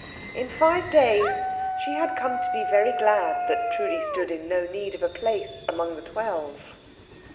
In five days she had come to be very glad that Trudi stood in no need of a place among the twelve.